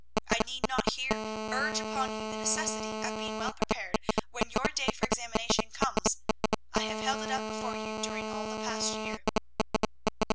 I need not here urge upon you the necessity of being well prepared when your day for examination comes. I have held it up before you during all the past year.